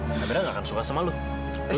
amira tidak akan suka dengan kamu